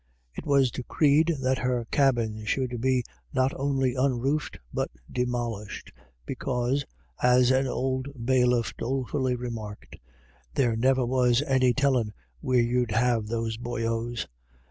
It was decreed that her cabin should be not only unroofed but demolished, because, as an old bailiff dolefully remarked, " There niver was any tellin' where you'd have those boyos.